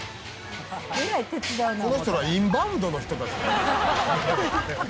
この人らインバウンドの人たち？